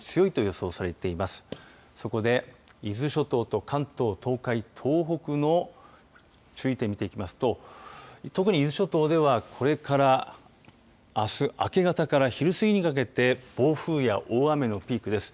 そこで伊豆諸島と関東、東海、東北の注意点見ていきますと特に伊豆諸島ではこれからあす明け方から昼過ぎにかけて暴風や大雨のピークです。